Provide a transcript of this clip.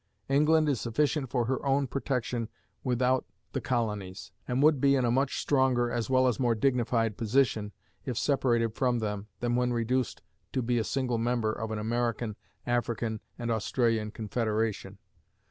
England is sufficient for her own protection without the colonies, and would be in a much stronger, as well as more dignified position, if separated from them, than when reduced to be a single member of an American, African, and Australian confederation.